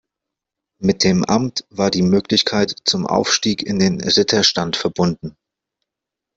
Mit dem Amt war die Möglichkeit zum Aufstieg in den Ritterstand verbunden.